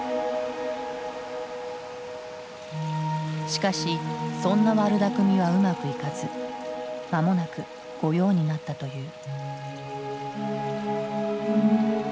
しかしそんな悪だくみはうまくいかず間もなく御用になったという。